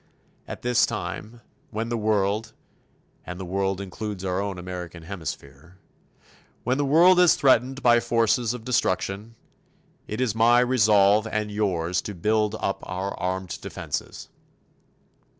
At this time, when the world and the world includes our own American Hemisphere when the world is threatened by forces of destruction, it is my resolve and yours to build up our armed defenses.